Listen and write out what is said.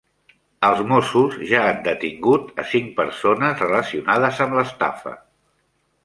Els Mossos ja han detingut a cinc persones relacionades amb l'estafa